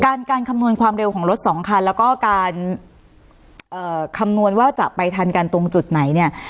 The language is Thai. การการคำนวณความเร็วของรถสองคันแล้วก็การเอ่อคำนวณว่าจะไปทันกันตรงจุดไหนเนี่ย